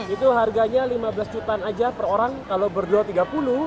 itu harganya lima belas jutaan aja per orang kalau berdua rp tiga puluh